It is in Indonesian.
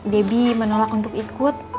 debbie menolak untuk ikut